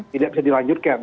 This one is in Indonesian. tidak bisa dilanjutkan